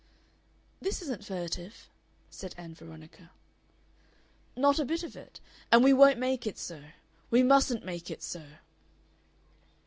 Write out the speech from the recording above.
"This isn't furtive," said Ann Veronica. "Not a bit of it. And we won't make it so.... We mustn't make it so."